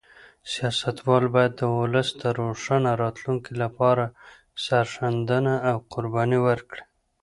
سیاستوال باید د ولس د روښانه راتلونکي لپاره سرښندنه او قرباني ورکړي.